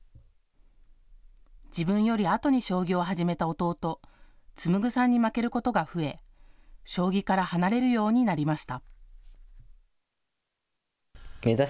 自分よりあとに将棋を始めた弟、紡さんに負けることが増え将棋から離れるようになりました。